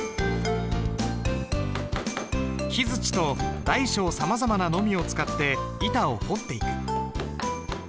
木づちと大小さまざまなのみを使って板を彫っていく。